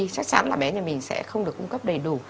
chắc chắn là bé nhà mình sẽ không được cung cấp đầy đủ